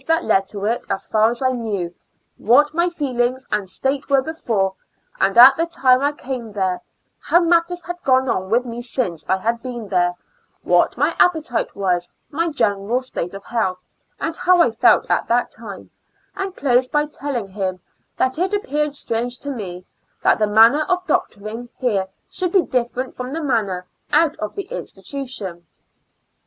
hat led to it as far as I knew, what my feelings and state were before, and at the time I came there; how matters had gone on with me since I had been there ; what my appetite was, my general state of health, and how I felt at that time ; and closed by telling him that it appeared strange to me, that the manner of doctoring here should fee different from the manner out of the institution.